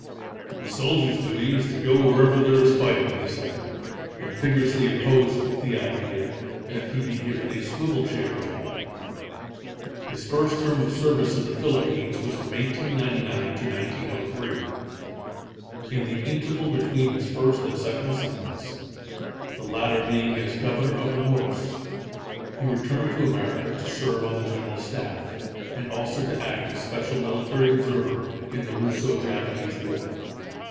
"The soldier's duty is to go wherever there is fighting," he said, and vigorously opposed the idea that he be given a swivel chair job. His first term of service in the Philippines was from 1899 to 1903. In the interval between his first and second assignments, the latter being as Governor of the Moros, he returned to America to serve on the General Staff, and also to act as special military observer in the Russo Japanese War.